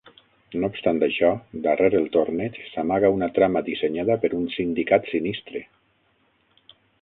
No obstant això, darrere el Torneig s'amaga una trama dissenyada per un sindicat sinistre.